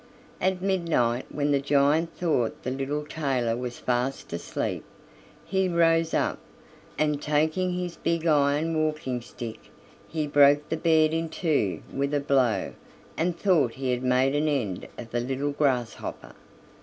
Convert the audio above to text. At midnight, when the giant thought the little tailor was fast asleep, he rose up, and taking his big iron walking stick, he broke the bed in two with a blow, and thought he had made an end of the little grasshopper.